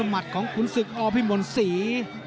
มัดของขุนสึกอพิมพ์หม่อนศรี